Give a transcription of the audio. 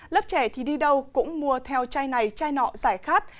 lớp trẻ thì đi đâu cũng mua theo chai này chai nọ giải khát